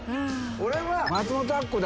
俺は。